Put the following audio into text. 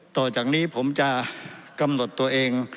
ต่อจากนี้ผมจะกำหนดตัวเอง